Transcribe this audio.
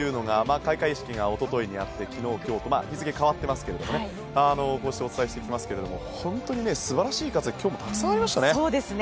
開会式が一昨日にあって昨日、今日とまあ日付変わってますけどこうしてお伝えしてきましたけど素晴らしい活躍がたくさんありましたね。